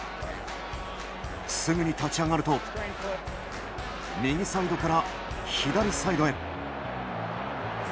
すぐに立ち上がると右サイドから左サイドへ。